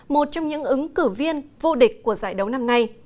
một trong những ứng cử viên vô địch của giải đấu năm nay